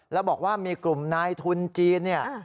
แล้วบอกว่ามีกลุ่มนายทุนจีนเนี่ย